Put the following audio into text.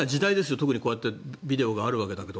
特にこうやってビデオがあるわけだけど。